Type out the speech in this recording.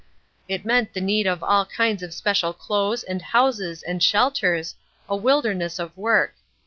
It meant the need of all kinds of special clothes and houses and shelters, a wilderness of work.